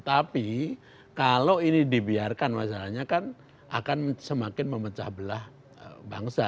tapi kalau ini dibiarkan masalahnya kan akan semakin memecah belah bangsa